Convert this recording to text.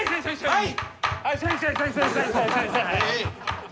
はい！